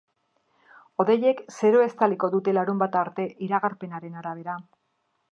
Hodeiek zerua estaliko dute larunbata arte iragarpenaren arabera.